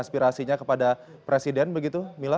aspirasinya kepada presiden begitu mila